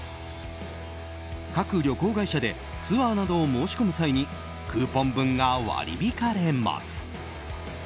各旅行会社でツアーなどを申し込む際にクーポン分が割り引かれます。